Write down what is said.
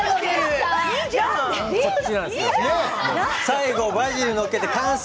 最後バジルを載せて完成。